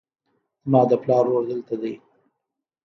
زما د پلار ورور دلته دی